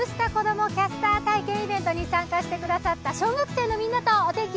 お天気キャスター体験イベントに参加してくださった小学生のみんなとお天気